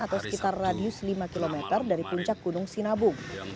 atau sekitar radius lima km dari puncak gunung sinabung